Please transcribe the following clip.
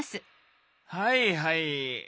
はいはい。